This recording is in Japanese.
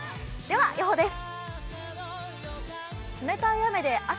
では予報です。